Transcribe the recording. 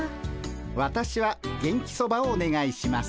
わたしは元気そばをおねがいします。